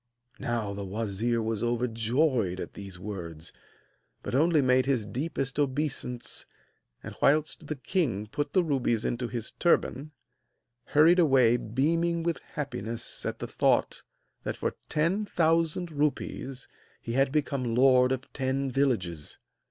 Now the wazir was overjoyed at these words, but only made his deepest obeisance; and, whilst the king put the rubies into his turban, hurried away beaming with happiness at the thought that for ten thousand rupees he had become lord of ten villages.